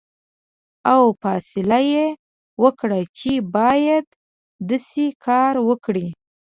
او فیصله یې وکړه چې باید داسې کار وکړي.